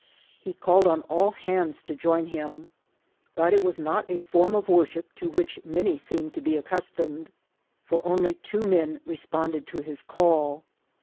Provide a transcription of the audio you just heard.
He called on all hands to join him; but it was not a form of worship to which many seemed to be accustomed, for only two men responded to his call.